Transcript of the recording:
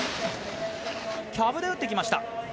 キャブで打ってきました。